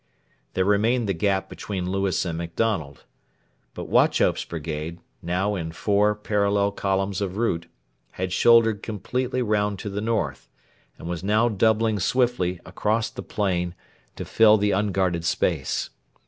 There remained the gap between Lewis and MacDonald. But Wauchope's brigade still in four parallel columns of route had shouldered completely round to the north, and was now doubling swiftly across the plain to fill the unguarded space.